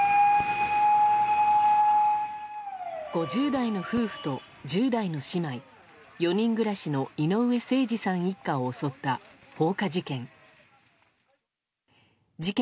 ５０代の夫婦と１０代の姉妹４人暮らしの井上盛司さん一家を襲った放火事件。